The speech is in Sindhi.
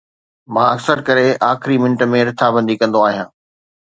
مان اڪثر ڪري آخري منٽ ۾ رٿابندي ڪندو آهيان